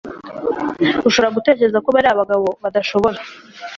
ushobora gutekereza ko bariya bagabo badashobora